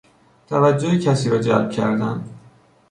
توجه کسی را جلب کردن